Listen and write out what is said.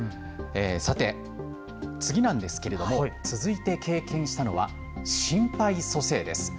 さて次なんですけれども続いて経験したのは心肺蘇生です。